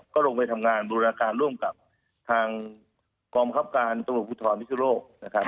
ก็ลงไปทำงานบริละการร่วมกับทางกรอบครับการตรวจพิธรรมนิสโลก